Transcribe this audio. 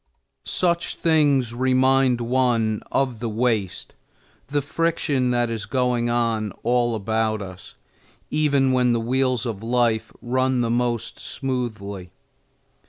Such things remind one of the waste, the friction that is going on all about us, even when the wheels of life run the most smoothly.